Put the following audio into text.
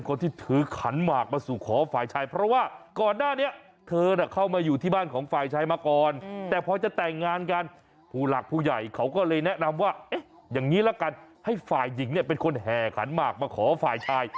แนะนำว่าเอ๊ะอย่างนี้แล้วกันให้ฝ่ายหญิงเนี่ยเป็นคนแห่ขันมากมาขอฝ่ายชาย